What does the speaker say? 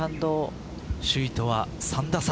首位とは３打差。